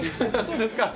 そうですか。